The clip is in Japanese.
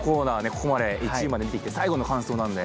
ここまで１位まで見てきて最後の感想なんで。